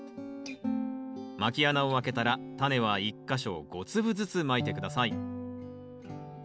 まき穴を開けたらタネは１か所５粒ずつまいて下さい。